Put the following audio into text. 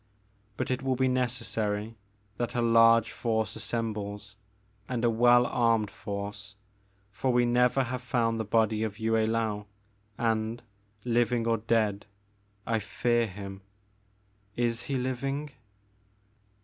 But it will be necessary that a large force as sembles, and a well armed force, for we never have found the body of Yue I^ou, and, living or dead, I fear him. Is he living